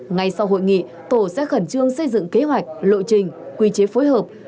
ngay sau hội nghị tổ sẽ khẩn trương xây dựng kế hoạch lộ trình quy chế phối hợp